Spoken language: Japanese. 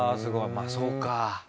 まあそうか。